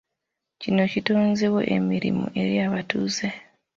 Kino kitonzeewo emirimu eri abatuuze.